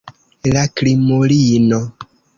La krimulino!